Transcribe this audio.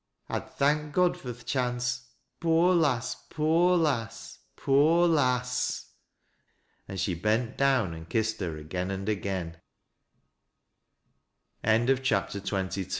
I'd thank God fur th' chance — poor lass — poor lass— poor lass!" And iho bent djwn and kissed her again and again CHAPTER XJClll.